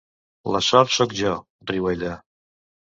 La sort sóc jo —riu ella.